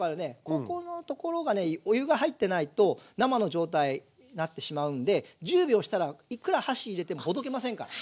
ここのところがねお湯が入ってないと生の状態になってしまうんで１０秒したらいっくら箸入れてもほどけませんから。